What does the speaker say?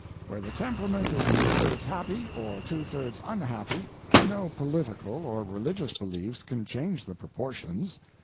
Where the temperament is two thirds happy, or two thirds unhappy, no political or religious beliefs can change the proportions.